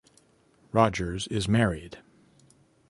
Rogers is married.